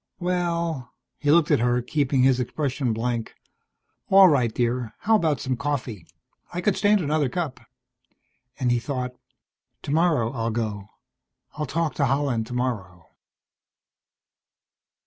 "Well." He looked at her, keeping his expression blank. "All right, dear. How about some coffee? I could stand another cup." And he thought: _Tomorrow I'll go. I'll talk to Holland tomorrow.